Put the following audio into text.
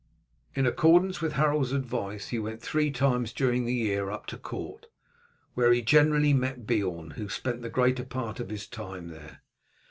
In accordance with Harold's advice he went three times during the year up to court, where he generally met Beorn, who spent the greater part of his time there.